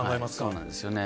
そうなんですよね。